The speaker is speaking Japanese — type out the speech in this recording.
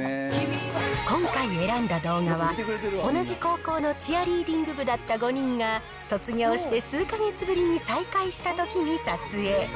今回選んだ動画は、同じ高校のチアリーディング部だった５人が、卒業して数か月ぶりに再会したときに撮影。